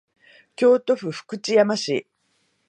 京都府福知山市